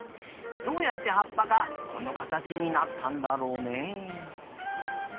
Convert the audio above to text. どうやってはっぱがこのかたちになったんだろうね。